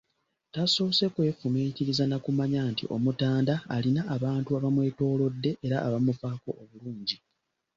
Tasoose kwefumiitiriza na kumanya nti Omutanda alina abantu abamwetoolodde era abamufaako obulungi.